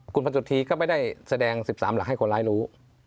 คุณพันสุธีก็ไม่ได้แสดง๑๓หลักให้คนร้ายรู้